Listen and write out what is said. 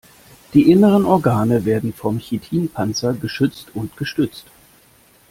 Die inneren Organe werden vom Chitinpanzer geschützt und gestützt.